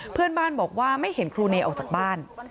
เพื่อนบ้านบอกว่าไม่เห็นครูเนยออกจากบ้าน